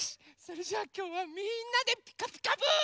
それじゃあきょうはみんなで「ピカピカブ！」。